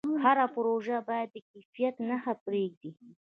هر پروژه باید د کیفیت نښه پرېږدي.